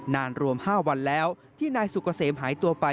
นานรวม๕วันแล้วที่นายสุกเกษมหายตัวไป